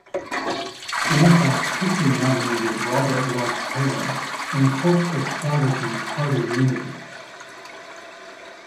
Democrats quickly nominated Robert Love Taylor in hopes of salvaging party unity.